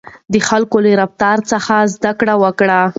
د خلکو له رفتار څخه زده کړه وکړئ.